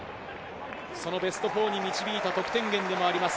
そのベスト４に導いた得点源でもあります。